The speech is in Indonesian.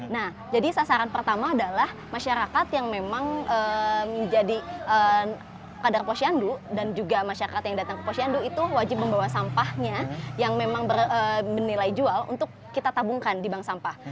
nah jadi sasaran pertama adalah masyarakat yang memang menjadi kader posyandu dan juga masyarakat yang datang ke posyandu itu wajib membawa sampahnya yang memang menilai jual untuk kita tabungkan di bank sampah